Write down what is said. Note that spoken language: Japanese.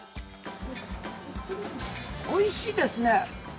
美味しいですね。